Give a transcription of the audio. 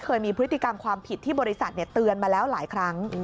เคยมีพฤติกรรมความผิดที่บริษัทเตือนมาแล้วหลายครั้ง